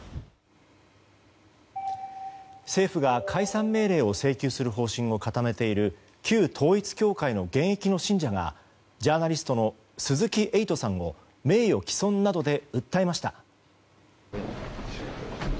政府が解散命令を請求する方針を固めている旧統一教会の現役の信者がジャーナリストの鈴木エイトさんを名誉毀損などで訴えました。